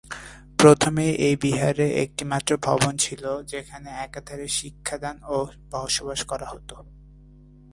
প্রথমে এই বিহারে একটি মাত্র ভবন ছিল, যেখানে একাধারে শিক্ষাদান ও বসবাস করা হত।